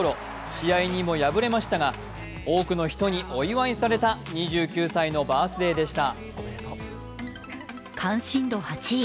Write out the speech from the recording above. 試合にも敗れましたが多くの人にお祝いされた２９歳のバースデーでした。